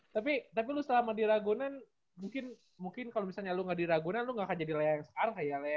tapi tapi lu selama di ragunan mungkin mungkin kalau misalnya lu nggak di ragunan lu nggak akan jadi lea yang sekarang kayak lea